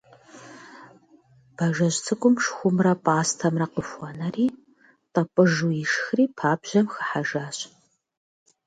Бажэжь цӀыкӀум шхумрэ пӀастэмрэ къыхуэнэри тӀэпӀыжу ишхри пабжьэм хыхьэжащ.